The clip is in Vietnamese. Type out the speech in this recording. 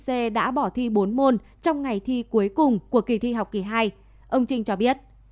c đã bỏ thi bốn môn trong ngày thi cuối cùng của kỳ thi học kỳ hai ông trinh cho biết